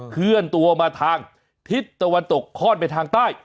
เคลื่อนตัวมาทางทิศตะวันตกคล่อนไปทางใต้